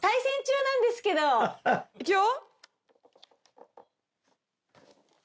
いくよ。